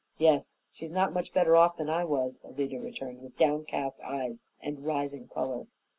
"Yes, she's not much better off than I was," Alida returned, with downcast eyes and rising color.